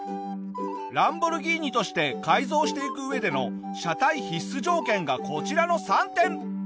ランボルギーニとして改造していく上での車体必須条件がこちらの３点。